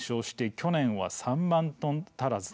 去年は３万トン足らず。